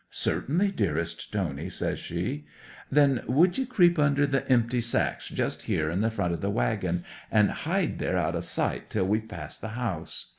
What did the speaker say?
'"Certainly, dearest Tony," says she. '"Then would ye creep under the empty sacks just here in the front of the waggon, and hide there out of sight till we've passed the house?